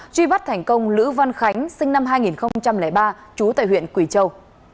truy bắt thành công lữ văn khánh sinh năm hai nghìn ba trú tại huyện quỳ châu